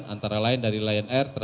antara lain dari lion air